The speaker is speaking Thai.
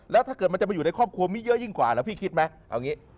แล้วถ้าเกิดมันจะมาอยู่ในครอบครัวมีเยอะยิ่งกว่าแล้วพี่คิดไหมเอาอย่างนี้